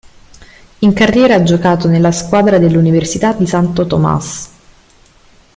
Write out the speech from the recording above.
In carriera ha giocato nella squadra dell'Università di Santo Tomás.